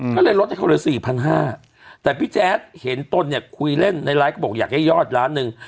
ก็เลยลดให้เขาเหลือ๔๕๐๐แต่พี่แจ๊ดเห็นตนเนี่ยคุยเล่นในไลฟ์ก็บอกอยากให้ยอดล้านหนึ่ง